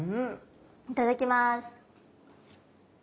いただきます。